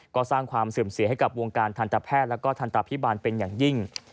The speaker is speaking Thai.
ก็สร้างความเสื่อมเสียให้กับวงการทันตแพทย์และก็ทันตภิบาลเป็นอย่างยิ่ง